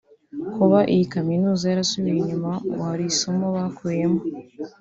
Kuba iyi Kaminuza yarasubiye inyuma ngo hari isomo bakuyemo